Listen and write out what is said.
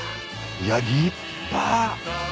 いや立派！